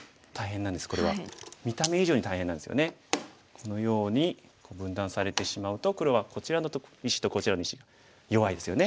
このように分断されてしまうと黒はこちらの石とこちらの石弱いですよね。